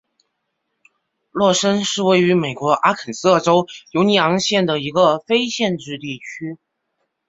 洛森是位于美国阿肯色州犹尼昂县的一个非建制地区。